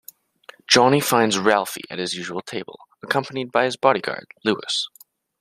Johnny finds Ralfi at his usual table, accompanied by his bodyguard Lewis.